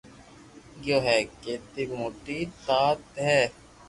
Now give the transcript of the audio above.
گيو ھي ڪيتي موٽي ٽات ھي